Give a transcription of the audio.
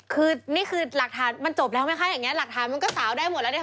คือนี่คือหลักฐานมันจบแล้วไหมคะอย่างนี้หลักฐานมันก็สาวได้หมดแล้วเนี่ย